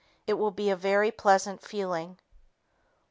It will be a very pleasant feeling.